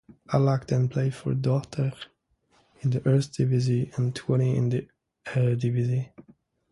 Allach then played for Dordrecht in the Eerste Divisie and Twente in the Eredivisie.